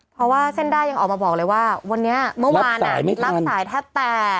เพราะว่าเส้นด้ายังออกมาบอกเลยว่าวันนี้เมื่อวานรับสายแทบแตก